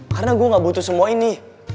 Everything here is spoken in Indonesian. karena gue gak butuh semua ini